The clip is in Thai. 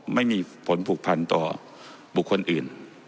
ไม่มีผลผูกพันต่อบุคคลอื่น